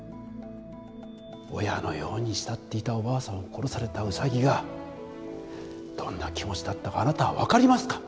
親のように慕っていたおばあさんを殺されたウサギがどんな気持ちだったかあなたは分かりますか？